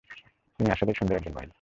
তুমি আসলেই সুন্দর একজন মহিলা।